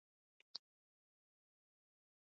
شپېته تنه بندیان شول.